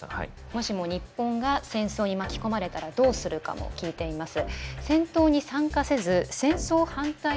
もしも日本が戦争に巻き込まれたらどうするかも聞いています。